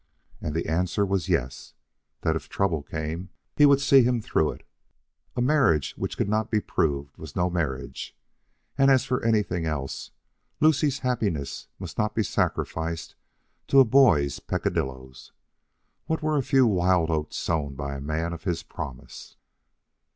And the answer was yes; that if trouble came he would see him through it. A marriage which could not be proved was no marriage, and as for anything else, Lucie's happiness must not be sacrificed to a boy's peccadillos. What were a few wild oats sown by a man of his promise?